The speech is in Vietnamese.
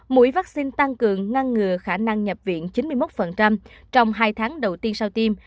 mũi vaccine tăng cường ngăn ngừa khả năng nhập viện chín mươi một trong hai tháng đầu tiên sau tiêm